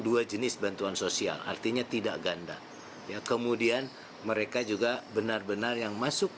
dua jenis bantuan sosial artinya tidak ganda ya kemudian mereka juga benar benar yang masuk